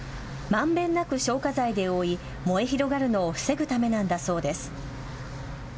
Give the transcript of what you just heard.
まんべんなく消火剤で覆い、燃え広がるのを防ぐためなんだそうです。